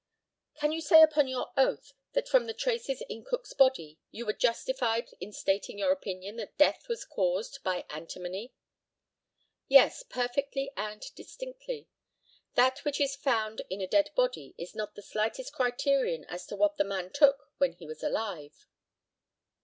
Can you say upon your oath that from the traces in Cook's body you were justified in stating your opinion that death was caused by antimony? Yes perfectly and distinctly. That which is found in a dead body is not the slightest criterion as to what the man took when he was alive.